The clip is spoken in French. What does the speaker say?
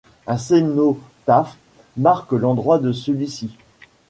Un cénotaphe marque l'endroit de celui-ci.